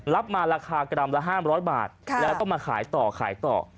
รับมาราคากรัมละ๕๐๐บาทแล้วก็มาขายต่อขายต่อ